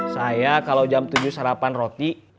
saya kalau jam tujuh sarapan roti